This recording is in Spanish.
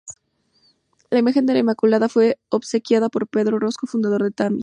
La imagen de la Inmaculada fue obsequiada por Pedro Orozco, fundador de Támesis.